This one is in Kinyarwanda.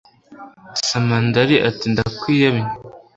samandari ati ndakwiyamye